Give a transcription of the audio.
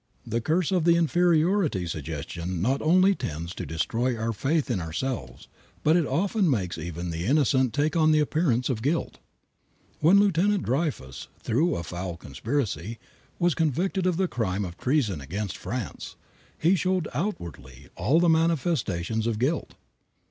The curse of the inferiority suggestion not only tends to destroy our faith in ourselves, but it often makes even the innocent take on the appearance of guilt. When Lieutenant Dreyfus, through a foul conspiracy, was convicted of the crime of treason against France, he showed outwardly all the manifestations of guilt.